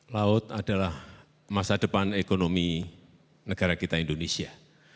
laut adalah masa depan ekonomi negara kita indonesia